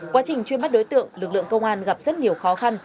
quá trình truy bắt đối tượng lực lượng công an gặp rất nhiều khó khăn